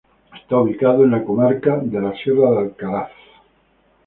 Está ubicado en la antigua comarca de la sierra de Alcaraz.